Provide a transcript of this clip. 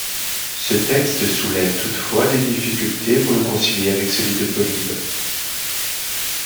Ce texte soulève toutefois des difficultés pour le concilier avec celui de Polybe.